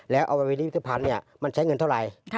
แล้วเอาไว้วิทยาภัณฑ์นี่มันใช้เงินเท่าไร